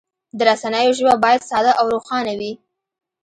د رسنیو ژبه باید ساده او روښانه وي.